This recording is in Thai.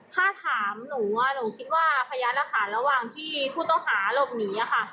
ถ้าถามหนูหนูคิดว่าพยานหลักฐานระหว่างที่ผู้ต้องหาหลบหนีค่ะ